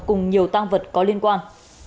cùng nhiều tăng vật có liên quan